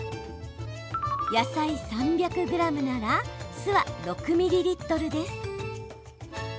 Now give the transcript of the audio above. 野菜３００ｇなら酢は６ミリリットルです。